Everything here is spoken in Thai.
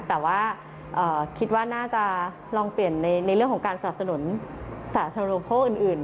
แต่ว่าคิดว่าน่าจะลองเปลี่ยนในเรื่องของการสนับสนุนสาธารณูโภคอื่น